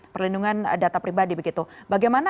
perlindungan data pribadi begitu bagaimana